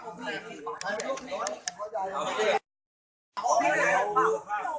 กลับมาเช็ดตาของมอง